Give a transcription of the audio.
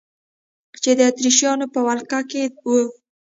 چې د اتریشیانو په ولقه کې وه.